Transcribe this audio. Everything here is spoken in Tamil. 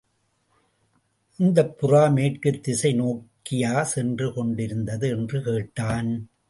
அந்தப் புறா மேற்குத் திசை நோக்கியா சென்று கொண்டிருந்தது? என்று கேட்டான்.